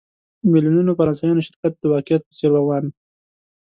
میلیونونو فرانسویانو شرکت د واقعیت په څېر ومانه.